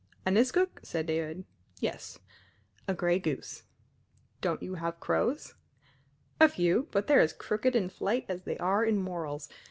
"A niskuk?" said David. "Yes a gray goose." "Don't you have crows?" "A few; but they're as crooked in flight as they are in morals.